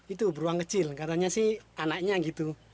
itu beruang kecil katanya sih anaknya gitu